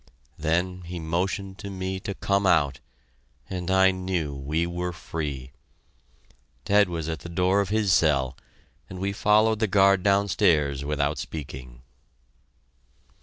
Then he motioned to me to come out, and I knew we were free! Ted was at the door of his cell, and we followed the guard downstairs without speaking.